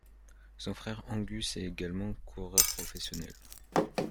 Son frère Angus est également coureur professionnel.